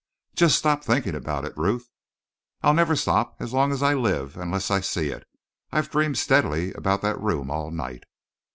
"Just stop thinking about it, Ruth." "I'll never stop as long as I live, unless I see it. I've dreamed steadily about that room all night."